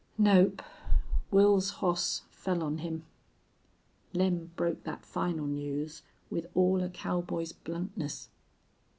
"Nope.... Wils's hoss fell on him." Lem broke that final news with all a cowboy's bluntness.